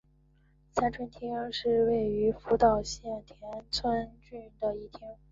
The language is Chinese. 三春町是位于福岛县田村郡的一町。